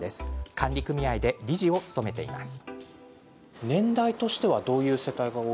管理組合で理事を務めています。